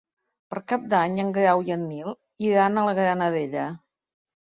Per Cap d'Any en Grau i en Nil iran a la Granadella.